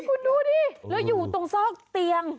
คุณดูดิแล้วอยู่ตรงซอกเตียง